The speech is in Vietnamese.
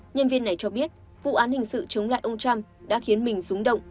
nhân viên này cho biết vụ án hình sự chống lại ông trump đã khiến mình rúng động